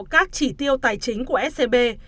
các chỉ tiêu tài chính của scb